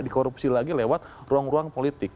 dikorupsi lagi lewat ruang ruang politik